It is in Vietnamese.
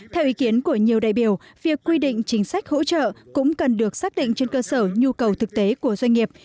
theo ý kiến của nhiều đại biểu việc quy định chính sách hỗ trợ cũng cần được xác định trên cơ sở nhu cầu thực tế của doanh nghiệp